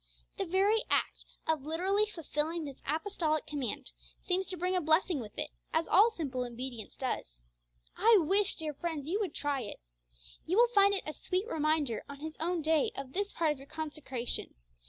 The very act of literally fulfilling this apostolic command seems to bring a blessing with it, as all simple obedience does. I wish, dear friends, you would try it! You will find it a sweet reminder on His own day of this part of your consecration.